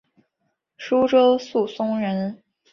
舒州宿松人。